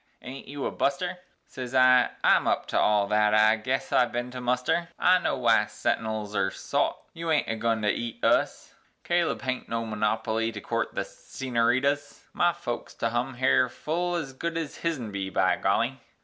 "Aint you a buster?" Sez I, "I'm up to all thet air, I guess I've ben to muster; I know wy sentinuls air sot; you aint agoin' to eat us; Caleb haint no monopoly to court the scenoreetas; My folks to hum hir full ez good ez hisn be, by golly!"